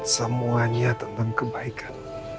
semuanya tentang kebaikan